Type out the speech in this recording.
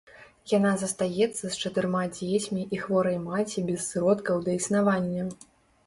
Яна застаецца з чатырма дзецьмі і хворай маці без сродкаў да існавання.